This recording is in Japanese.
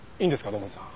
土門さん。